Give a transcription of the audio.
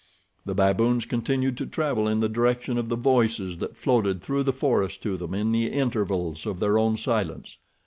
The baboons continued to travel in the direction of the voices that floated through the forest to them in the intervals of their own silence.